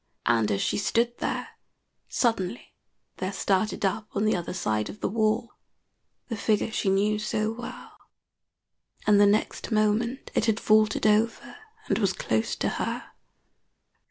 And as she stood there, suddenly there started up on the other side of the wall the figure she knew so well, and the next moment it had vaulted over and was close to her.